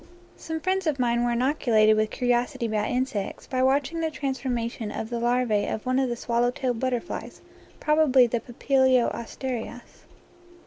Some friends of mine were inoculated with curi osity about insects by watching the transformation of the larvae of one of the swallow tailed butterflies, probably the Papilio asterias.